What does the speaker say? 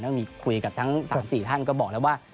ก็มีคุยกับทั้ง๓๔ท่านก็บอกแล้วว่า